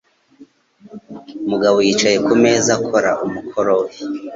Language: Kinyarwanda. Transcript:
Mugabo yicaye ku meza akora umukoro we.